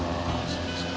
そうですか。